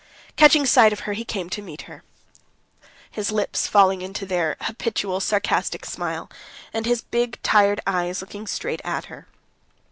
Catching sight of her, he came to meet her, his lips falling into their habitual sarcastic smile, and his big, tired eyes looking straight at her.